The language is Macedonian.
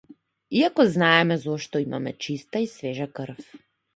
Иако знаеме зошто имаме чиста и свежа крв.